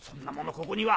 ここには。